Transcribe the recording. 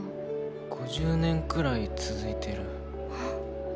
５０年くらい続いてる。